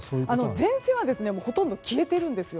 前線はほとんど消えているんですよ。